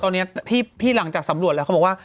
ตอนนี้พี่หลังจากสำรวจแล้วเขาบอกว่า